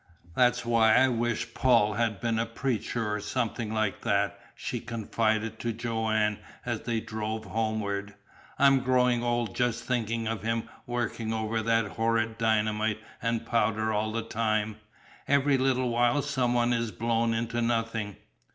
"That's why I wish Paul had been a preacher or something like that," she confided to Joanne as they drove homeward. "I'm growing old just thinking of him working over that horrid dynamite and powder all the time. Every little while some one is blown into nothing."